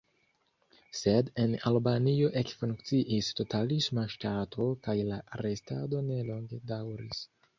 Sed en Albanio ekfunkciis totalisma ŝtato kaj la restado ne longe daŭris.